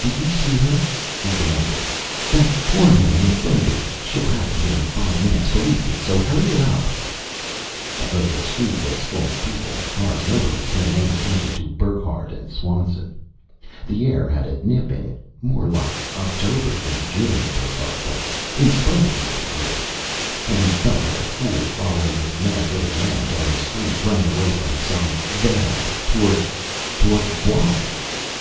"Did you see her?" he demanded. "That Horn woman, in the phone booth? She'll have them here in five minutes, believe me, so hurry it up!" Although the street was full of people and cars, nobody was paying any attention to Burckhardt and Swanson. The air had a nip in it more like October than June, Burckhardt thought, in spite of the weather bureau. And he felt like a fool, following this mad little man down the street, running away from some "them" toward toward what?